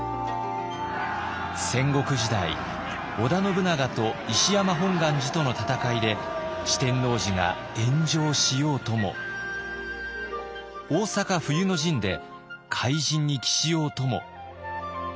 戦国時代織田信長と石山本願寺との戦いで四天王寺が炎上しようとも大坂冬の陣で灰じんに帰しようとも。